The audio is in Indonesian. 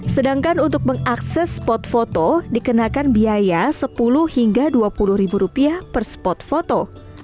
sedangkan untuk mengakses spot foto dikenakan biaya rp sepuluh rp dua puluh per spot foto